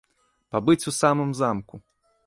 Пабыць у самым замку!